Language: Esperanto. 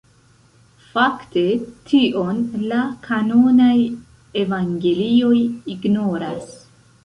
Fakte tion la kanonaj evangelioj ignoras.